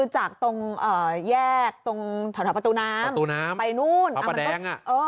จากตรงแยกทางพระปตุน้ำไปนู่น